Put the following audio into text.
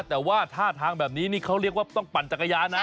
แต่ว่าท่าทางแบบนี้นี่เขาเรียกว่าต้องปั่นจักรยานนะ